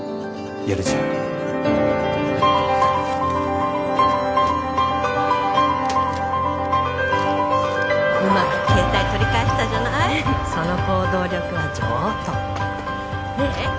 やるじゃんうまく携帯取り返したじゃないその行動力は上等ねえ